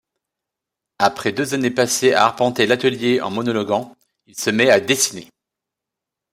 Après deux années passées à arpenter l’atelier en monologuant, il se met à dessiner.